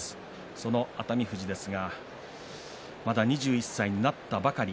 その熱海富士ですがまだ２１歳になったばかり。